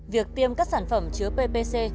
việc tiêm các sản phẩm chứa ppc